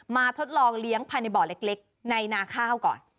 ทดลองเลี้ยงภายในบ่อเล็กในนาข้าวก่อน